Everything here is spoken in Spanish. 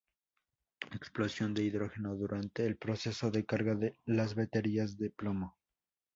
Explosión de hidrógeno durante el proceso de carga las baterías de plomo.